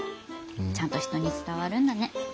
ちゃんと人に伝わるんだね。